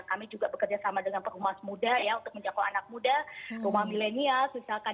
kami juga bekerja sama dengan perhumat muda ya untuk menjangkau anak muda rumah millenial